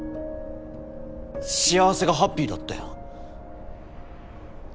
幸せがハッピーだったよ。